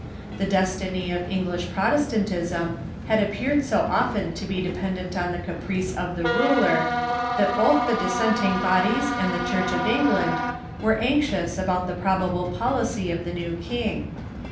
The destiny of English Protestantism had appeared so often to be dependent on the caprice of the ruler, James I. and ^^^^^| ,q^] ^^^^^ dissenting bodies and the Church of tn6 ruritsns ^ J England were anxious about the probable policy of the new king.